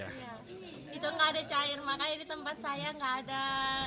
makanya di tempat saya nggak ada suara